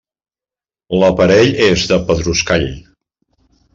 L'aparell és de pedruscall.